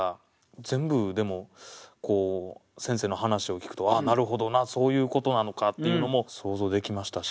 全部でも先生の話を聞くとああなるほどなそういうことなのかっていうのも想像できましたし。